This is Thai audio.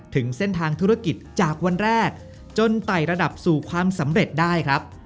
ถึงเส้นทางธุรกิจจากวันแรกจนไต่ระดับสู่ความสำเร็จได้ครับ